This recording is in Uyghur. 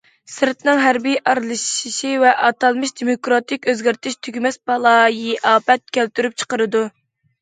سىرتنىڭ ھەربىي ئارىلىشىشى ۋە ئاتالمىش دېموكراتىك ئۆزگەرتىش تۈگىمەس بالايىئاپەت كەلتۈرۈپ چىقىرىدۇ.